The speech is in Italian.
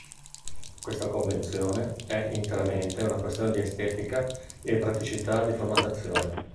Questa convenzione è interamente una questione di estetica e praticità di formattazione.